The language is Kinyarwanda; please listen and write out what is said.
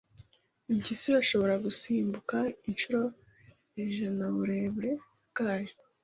Impyisi irashobora gusimbuka inshuro ijanauburebure bwayo.